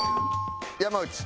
山内。